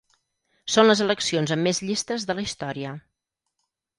Són les eleccions amb més llistes de la història.